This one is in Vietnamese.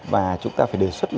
và chúng ta phải đề xuất